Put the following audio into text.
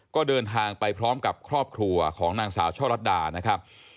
ก็เดินทางไปพร้อมกับครอบครัวของนางสาวช่อลัดดานะครับ